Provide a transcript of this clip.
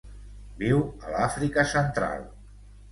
Viu a l'Àfrica Central.